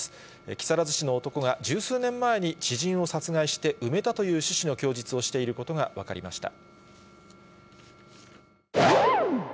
木更津市の男が、十数年前に知人を殺害して、埋めたという趣旨の供述をしていることが分かりました。